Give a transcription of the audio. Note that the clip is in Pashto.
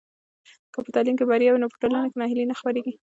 که په تعلیم کې بریا وي نو په ټولنه کې ناهیلي نه خپرېږي.